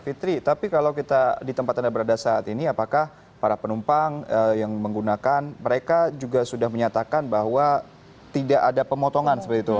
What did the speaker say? fitri tapi kalau kita di tempat anda berada saat ini apakah para penumpang yang menggunakan mereka juga sudah menyatakan bahwa tidak ada pemotongan seperti itu